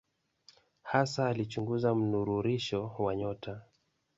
Hasa alichunguza mnururisho wa nyota.